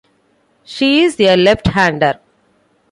She is a left hander.